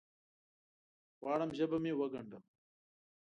غواړم ژبه مې وګنډم